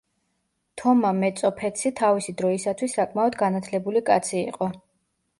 თომა მეწოფეცი თავისი დროისათვის საკმაოდ განათლებული კაცი იყო.